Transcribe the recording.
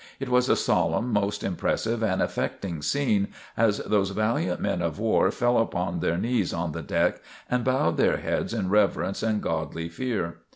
It was a solemn, most impressive and affecting scene, as those valiant men of war fell upon their knees on the deck and bowed their heads in reverence and godly fear.